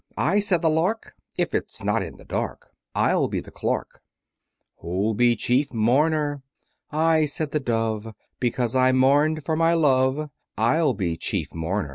I, said the Lark, If it's not in the dark, I'll be the Clerk. Who'll be chief mourner? I, said the Dove, Because I mourned for my love, I'll be chief mourner.